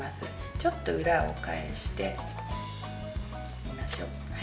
ちょっと裏を返してみましょう。